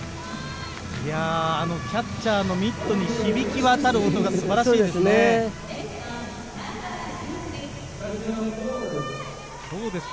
キャッチャーのミットに響き渡る音が素晴らしいですね。